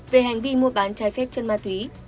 về hành vi mua bán trái phép chân ma túy